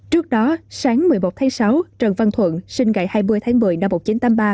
trước đó sáng một mươi một tháng sáu trần văn thuận sinh ngày hai mươi tháng một mươi năm một nghìn chín trăm tám mươi ba